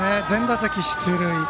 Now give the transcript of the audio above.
全打席出塁。